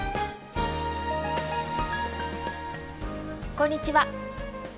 こんにちは。